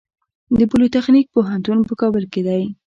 د پولي تخنیک پوهنتون په کابل کې دی